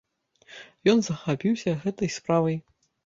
Ён захапіўся гэтай справай.